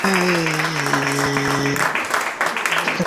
异株百里香是唇形科百里香属的植物。